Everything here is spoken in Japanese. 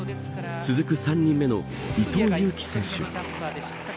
続く３人目の伊藤有希選手。